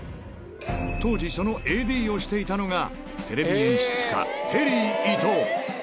当時、そのＡＤをしていたのが、テレビ演出家、テリー伊藤。